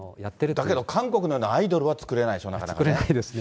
だけど韓国のようなアイドルは作れないでしょ、なかなかね。